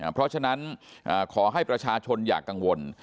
เพราะฉะนั้นขอให้ประชาชนอย่ากังวล